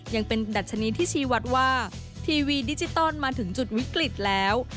ยังเป็นดัชนีที่ชี้วัดว่าทีวีดิจิตอลมาถึงจุดวิกฤตแล้ว